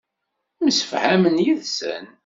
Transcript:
Msefhamen yid-sen.